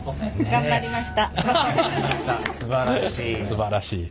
すばらしい。